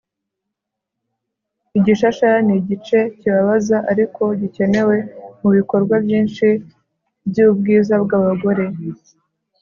Igishashara nigice kibabaza ariko gikenewe mubikorwa byinshi byubwiza bwabagore